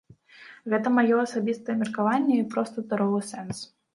Гэта маё асабістае меркаванне і проста здаровы сэнс.